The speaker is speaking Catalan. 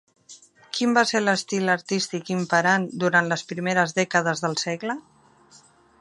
Quin va ser l'estil artístic imperant durant les primeres dècades del segle?